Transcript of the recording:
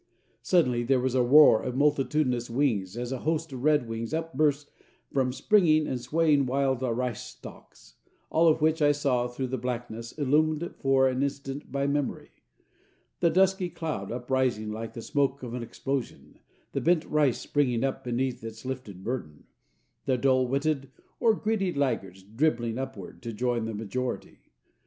Suddenly there was a roar of multitudinous wings as a host of redwings upburst from springing and swaying wild rice stalks, all of which I saw through the blackness illumined for an instant by memory, the dusky cloud uprising like the smoke of an explosion, the bent rice springing up beneath its lifted burden, the dull witted or greedy laggards dribbling upward to join the majority.